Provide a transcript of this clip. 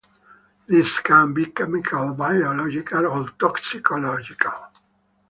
These can be chemical, biological, or toxicological.